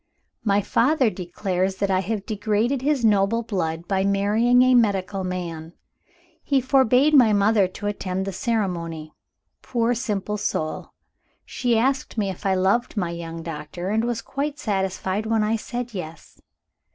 "My father declares that I have degraded his noble blood by marrying a medical man. He forbade my mother to attend the ceremony. Poor simple soul! She asked me if I loved my young doctor, and was quite satisfied when I said Yes.